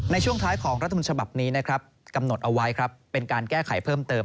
ในช่วงท้ายของรัฐมนต์ฉบับนี้นะครับกำหนดเอาไว้ครับเป็นการแก้ไขเพิ่มเติม